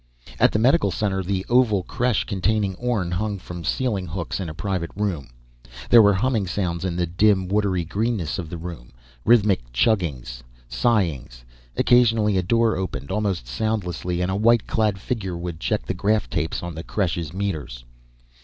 At the medical center, the oval creche containing Orne hung from ceiling hooks in a private room. There were humming sounds in the dim, watery greenness of the room, rhythmic chuggings, sighings. Occasionally, a door opened almost soundlessly, and a white clad figure would check the graph tapes on the creche's meters.